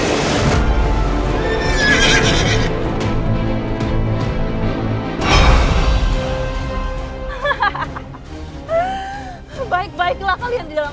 assalamualaikum warahmatullahi wabarakatuh